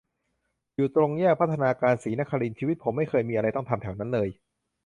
อยู่ตรงแยก พัฒนาการ-ศรีนครินทร์ ชีวิตผมไม่เคยมีอะไรต้องทำแถวนั้นเลย